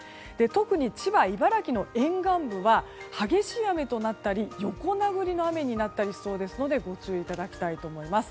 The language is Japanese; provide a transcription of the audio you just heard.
特に千葉、茨城の沿岸部は激しい雨となったり横殴りの雨になったりしそうですのでご注意いただきたいと思います。